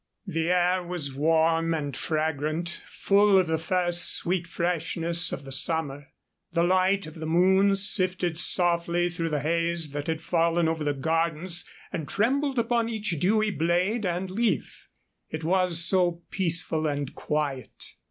The air was warm and fragrant, full of the first sweet freshness of the summer. The light of the moon sifted softly through the haze that had fallen over the gardens and trembled upon each dewy blade and leaf. It was so peaceful and quiet!